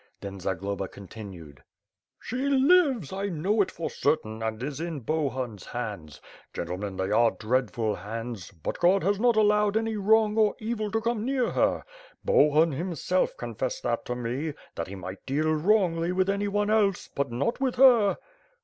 Then Zagloba continued: "She lives, I know it for certain, and is in Bohun's hands. Gentlemen, they are dreadful hands, but God has not allowed any wrong or evil to come near her. Bohun, himself, con fessed that to me; that he might deal wrongly with anyone else, but not with her."